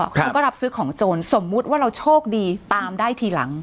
เขาก็รับซื้อของโจรสมมุติว่าเราโชคดีตามได้ทีหลัง